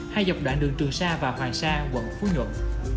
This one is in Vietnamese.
hai dọc đoạn đường trường sa và hoàng sa quận phú nhuận